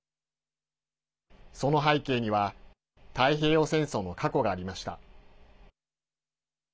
その背景には太平洋戦争の過去がありました。